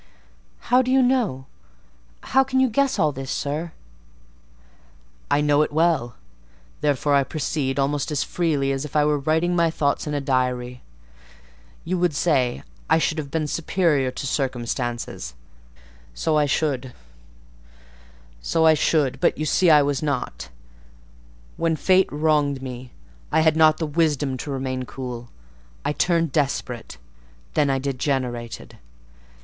"How do you know?—how can you guess all this, sir?" "I know it well; therefore I proceed almost as freely as if I were writing my thoughts in a diary. You would say, I should have been superior to circumstances; so I should—so I should; but you see I was not. When fate wronged me, I had not the wisdom to remain cool: I turned desperate; then I degenerated.